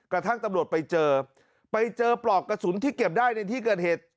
กระทั่งตำรวจไปเจอไปเจอปลอกกระสุนที่เก็บได้ในที่เกิดเหตุ